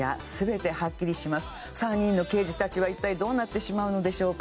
３人の刑事たちは一体どうなってしまうのでしょうか？